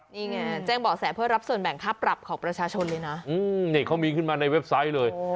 นี่ไงแจ้งเบาะแสเพื่อรับส่วนแบ่งค่าปรับของประชาชนเลยนะนี่เขามีขึ้นมาในเว็บไซต์เลย